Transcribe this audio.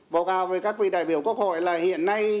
bỏ vào với các vị đại biểu quốc hội là hiện nay